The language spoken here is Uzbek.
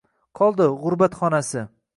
Qoldi — g’urbatxonasi.